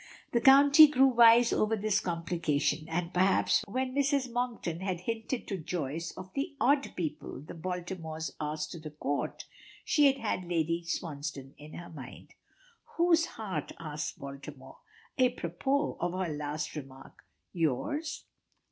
The County grew wise over this complication; and perhaps when Mrs. Monkton had hinted to Joyce of the "odd people" the Baltimores asked to the Court, she had had Lady Swansdown in her mind. "Whose heart?" asks Baltimore, à propos of her last remark. "Yours?"